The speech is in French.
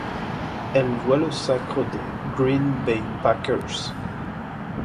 Elle voit le sacre des Green Bay Packers.